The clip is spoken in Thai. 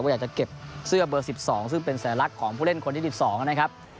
อยากจะเก็บเสื้อเบอร์๑๒ซึ่งเป็นสัญลักษณ์ของผู้เล่นคนที่๑๒นะครับ